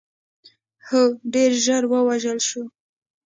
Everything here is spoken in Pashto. هغه ډېر ژر ووژل شو.